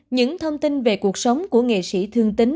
những thông tin về cuộc sống của nghệ sĩ thương tính